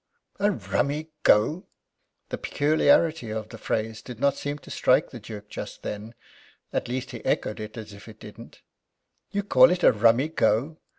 "A rummy go!" The peculiarity of the phrase did not seem to strike the Duke just then at least, he echoed it as if it didn't. "You call it a rummy go!